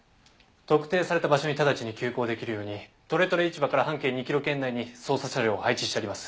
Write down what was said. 特定された場所に直ちに急行できるようにとれとれ市場から半径２キロ圏内に捜査車両を配置してあります。